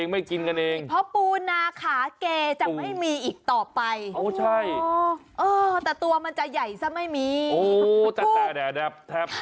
มีอะไรครับ